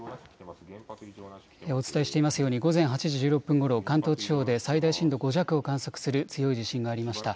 お伝えしていますように午前８時１６分ごろ関東地方で最大震度５弱を観測する強い地震がありました。